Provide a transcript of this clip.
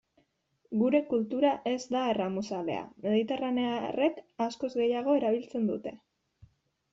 Gure kultura ez da erramuzalea, mediterranearrek askoz gehiago erabiltzen dute.